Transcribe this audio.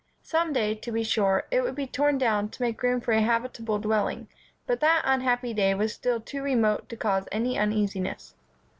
Some day, to be sure, it would be torn down to make room for a habitable dwelling, but that unhappy day was still too remote to cause any uneasiness.